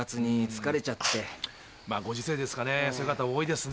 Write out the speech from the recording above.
ご時世ですかね